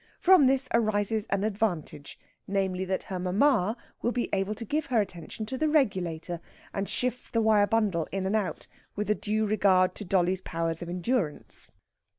From this arises an advantage namely, that her mamma will be able to give her attention to the regulator, and shift the wire bundle in and out, with a due regard to dolly's powers of endurance.